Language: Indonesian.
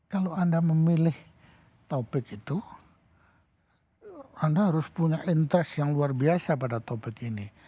kalau anda memilih topik itu anda harus punya interest yang luar biasa pada topik ini